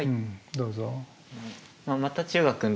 どうぞ。